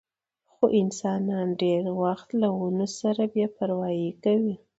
خو انسانان ډېر وخت له ونو سره بې پروايي کوي.